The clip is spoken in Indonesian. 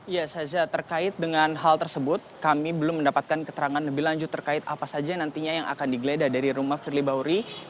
ya saza terkait dengan hal tersebut kami belum mendapatkan keterangan lebih lanjut terkait apa saja nantinya yang akan digeledah dari rumah firly bahuri